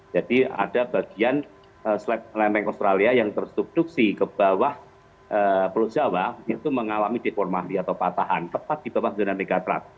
jadi ada bagian lembeng australia yang terduksi ke bawah peluk jawa itu mengalami deformasi atau patahan tepat di bawah dunia megatras